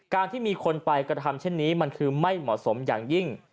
ที่มีคนไปกระทำเช่นนี้มันคือไม่เหมาะสมอย่างยิ่ง